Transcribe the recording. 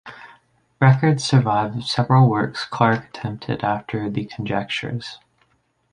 Records survive of several works Clarke attempted after the "Conjectures".